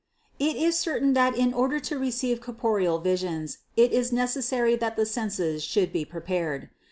641. It is certain that in order to receive corporeal visions it is necessary that the senses should be prepared.